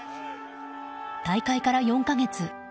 大会から４か月。